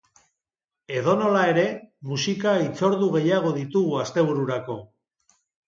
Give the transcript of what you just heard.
Edonola ere, musika hitzordu gehiago ditugu astebururako.